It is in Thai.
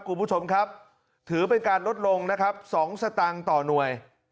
คุณผู้ชมครับถือเป็นการลดลงนะครับ๒สตางค์ต่อหน่วย